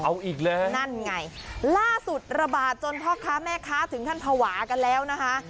เอาอีกแล้วนั่นไงล่าสุดระบาดจนพ่อค้าแม่ค้าถึงท่านภาวะกันแล้วนะคะ